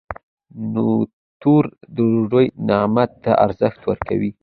تنور د ډوډۍ نعمت ته ارزښت ورکوي